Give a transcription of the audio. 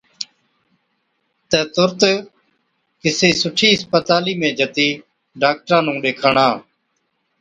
تہ تُرت ڪِسِي سُٺِي اِسپتالِي ۾ جتِي ڊاڪٽرا نُون ڏيکاڻا۔